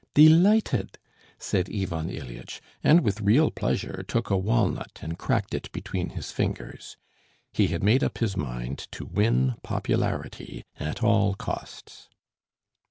"Delighted!" said Ivan Ilyitch, and with real pleasure took a walnut and cracked it between his fingers. He had made up his mind to win popularity at all costs.